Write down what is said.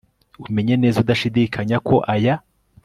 umenye neza udashidikanya, ko aya